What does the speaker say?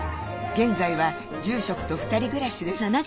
現在は住職と２人暮らしです。